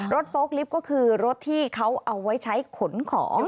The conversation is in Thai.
โฟล์ลิฟต์ก็คือรถที่เขาเอาไว้ใช้ขนของ